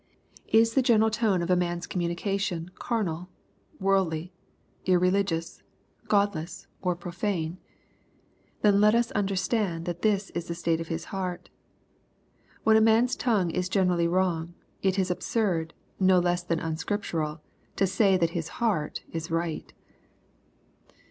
Is the general tone of a man's communication LUKE, CHAP. VI. 193 carnal, worldly, irreligious, godless, or profane ? Then let us understand that this is the state of his heart. When a man's tongue is generally wrong, it is absurd, no less than unscriptural, to say that his heart is right.